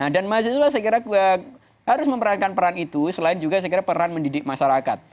dan mahasiswa saya kira harus memperankan peran itu selain juga saya kira peran mendidik masyarakat